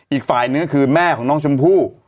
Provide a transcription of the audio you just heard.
อีกฝ่ายนึงคือแม่ของน้องชมพู่